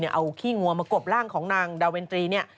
เอาขี้งัวมากบร่างของนางดาเวนตรีเนี่ย